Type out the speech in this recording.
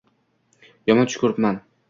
Yomon tush ko‘ribman